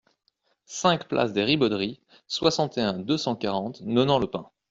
cinq place des Ribauderies, soixante et un, deux cent quarante, Nonant-le-Pin